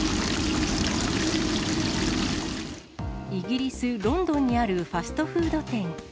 イギリス・ロンドンにあるファストフード店。